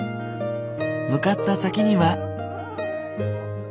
向かった先には。